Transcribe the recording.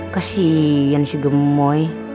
kasian si gemoy